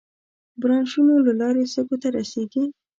برانشونو له لارې سږو ته رسېږي.